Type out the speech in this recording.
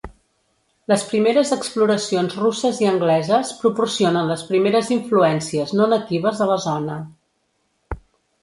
Les primeres exploracions russes i angleses proporcionen les primeres influències no natives a la zona.